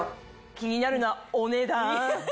気になるのはお値段。